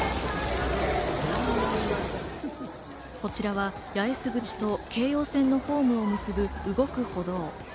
こちらは八重洲口と京葉線のホームを結ぶ動く歩道。